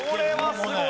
すごい！